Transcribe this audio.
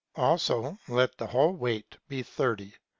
Also let the whole weight be thirty.